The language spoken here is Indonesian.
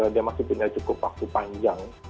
dia masih punya cukup waktu panjang